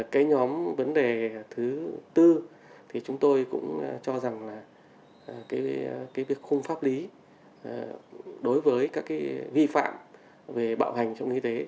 cái nhóm vấn đề thứ tư thì chúng tôi cũng cho rằng là cái việc khung pháp lý đối với các cái vi phạm về bạo hành trong y tế